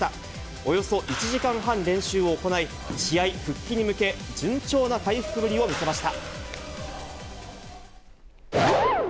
およそ１時間半練習を行い、試合復帰に向け、順調な回復ぶりを見せました。